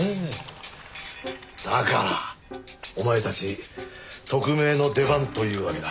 だからお前たち特命の出番というわけだ。